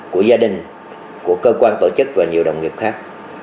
của gia đình của cơ quan tổ chức và nhiều đồng nghiệp khác